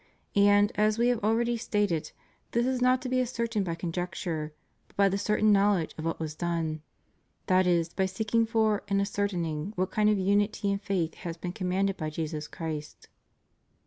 And, as We have already stated, this is not to be ascertained by conjecture, but by the cer tain knowledge of what was done; that is by seeking for and ascertaining what kind of unity in faith has been commanded by Jesus Christ.